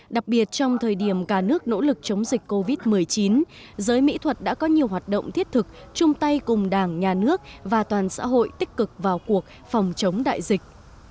đặc biệt trong thời điểm cả nước nỗ lực chống dịch covid một mươi chín giới mỹ thuật đã có nhiều hoạt động thiết thực chung tay cùng đảng nhà nước và toàn xã hội tích cực vào cuộc phòng chống đại dịch